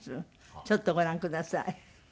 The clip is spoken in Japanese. ちょっとご覧ください。